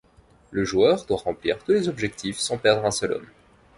Le joueur doit remplir tous les objectifs sans perdre un seul homme.